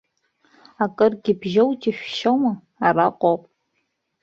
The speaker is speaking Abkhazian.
Акыргьы бжьоу џьышәшьома, араҟоуп.